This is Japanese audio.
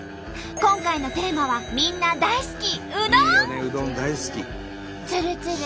今回のテーマはみんな大好きつるつる